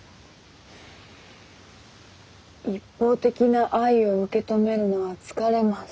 一方的な愛を受け止めるのは疲れます。